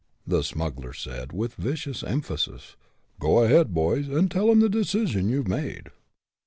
the smuggler said, with vicious emphasis. "Go ahead, boys, an' tell him the decision you've made."